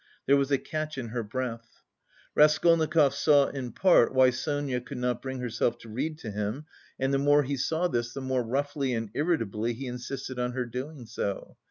There was a catch in her breath. Raskolnikov saw in part why Sonia could not bring herself to read to him and the more he saw this, the more roughly and irritably he insisted on her doing so.